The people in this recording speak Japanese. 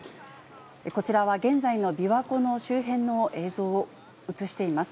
こちらは現在の琵琶湖の周辺の映像を映しています。